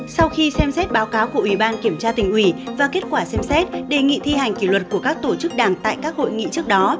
sau khi xem xét báo cáo của ủy ban kiểm tra tỉnh ủy và kết quả xem xét đề nghị thi hành kỷ luật của các tổ chức đảng tại các hội nghị trước đó